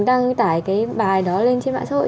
đăng tải cái bài đó lên trên mạng xã hội